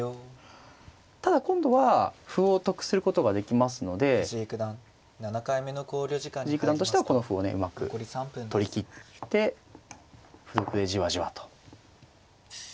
ただ今度は歩を得することができますので藤井九段としてはこの歩をねうまく取りきって歩得でじわじわと。